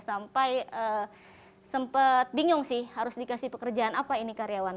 sampai sempat bingung sih harus dikasih pekerjaan apa ini karyawan